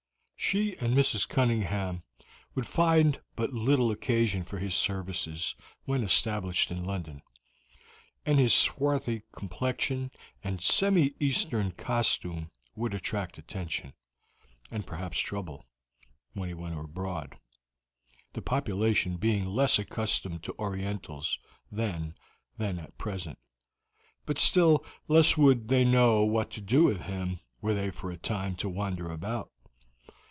She and Mrs. Cunningham would find but little occasion for his services when established in London, and his swarthy complexion and semi Eastern costume would attract attention, and perhaps trouble, when he went abroad the population being less accustomed to Orientals then than at present but still less would they know what to do with him were they for a time to wander about.